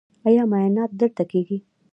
ایا معاینات دلته کیږي؟